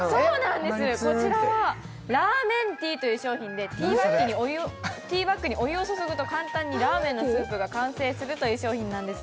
こちらはラーメンティーという商品で、ティーバックにお湯を注ぐと簡単にラーメンのスープが完成するんです。